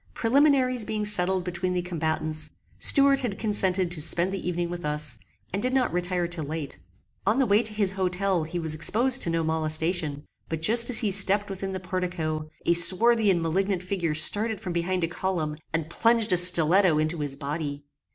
Preliminaries being settled between the combatants, Stuart had consented to spend the evening with us, and did not retire till late. On the way to his hotel he was exposed to no molestation, but just as he stepped within the portico, a swarthy and malignant figure started from behind a column. and plunged a stiletto into his body.